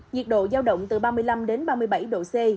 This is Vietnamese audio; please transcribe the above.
nhiệt độ giao động từ ba mươi năm đến ba mươi bảy độ c